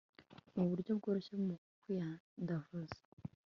mu buryo bworoshye mu kwiyandavuza